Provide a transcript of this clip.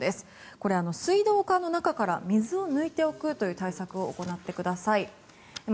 これは水道管の中から水を抜いておくという対策を行ってください。